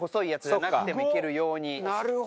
なるほど。